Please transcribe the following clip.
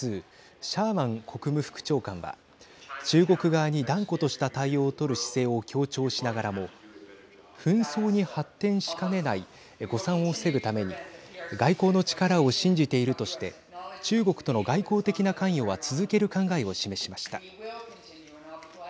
シャーマン国務副長官は中国側に断固とした対応を取る姿勢を強調しながらも紛争に発展しかねない誤算を防ぐために外交の力を信じているとして中国との外交的な関与は続ける考えを示しました。